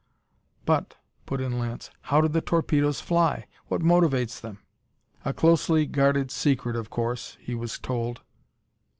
"But," put in Lance, "how do the torpedoes fly? What motivates them?" "A closely guarded secret, of course," he was told.